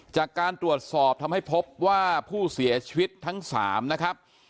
จากการตรวจสอบทำให้พบว่าผู้เสียชีวิตทั้ง๓นะครับ